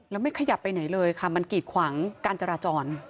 แล้วไม่ขยับไปไหนเลยค่ะมันกีดขวางการจราจร